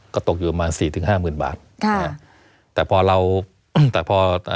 ก็ตกอยู่ประมาณสี่ถึงห้าหมื่นบาทค่ะแต่พอเราอืมแต่พอ